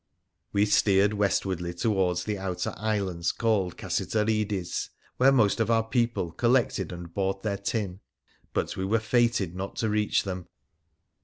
We steered westwardly towards the outer islands, called Cassiterides, where most of our people collected and bought their tin, but we were fated not to reach them.